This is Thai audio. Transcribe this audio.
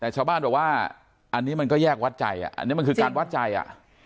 แต่ชาวบ้านบอกว่าอันนี้มันก็แยกวัดใจอ่ะอันนี้มันคือการวัดใจอ่ะ